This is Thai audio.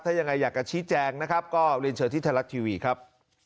ถ้ายังไงอยากจะชี้แจงนะครับก็เรียนเชิญที่ไทยรัฐทีวีครับ